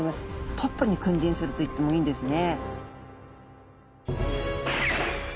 トップに君臨するといってもいいんですね。